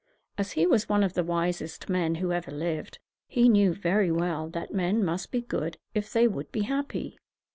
As he was one of the wisest men who ever lived, he knew very well that men must be good if they would be happy.